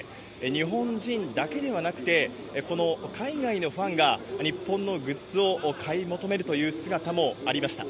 日本人だけではなくて、この海外のファンが日本のグッズを買い求めるという姿もありました。